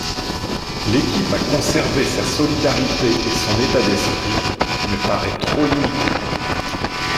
L'équipe a conservé sa solidarité et son état d'esprit, mais paraît trop limitée.